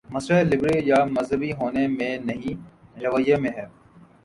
مسئلہ لبرل یا مذہبی ہو نے میں نہیں، رویے میں ہے۔